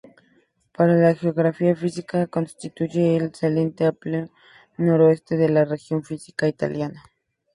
Para la geografía física, constituye el saliente alpino noreste de la región física italiana.